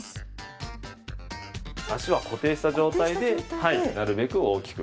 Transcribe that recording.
足は固定した状態でなるべく大きく。